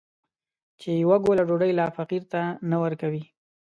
چې يوه ګوله ډوډۍ لا فقير ته نه ورکوي.